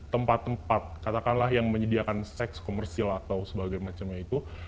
tempat tempat katakanlah yang menyediakan seks komersil atau sebagainya itu